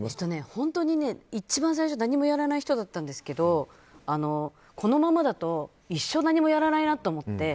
本当に一番最初何もやらない人だったんですけどこのままだと一生、何もやらないなと思って。